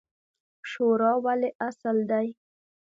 شورا ولې اصل دی؟